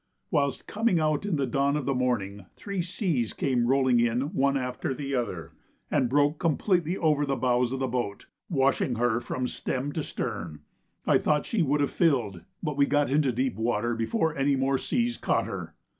Whilst coming out in the dawn of the morning three seas came rolling in one after the other, and broke completely over the bows of the boat, washing her from stem to stern. I thought she would have filled, but we got into deep water before any more seas caught her.